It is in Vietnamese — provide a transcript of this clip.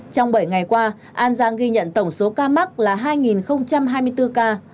trong bảy ngày qua an giang ghi nhận tổng số ca mắc là hai hai mươi bốn ca